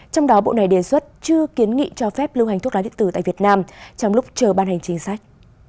trong đó bộ này đề xuất chưa kiến nghị cho phép lưu hành thuốc lá điện tử tại việt nam trong lúc chờ ban hành chính sách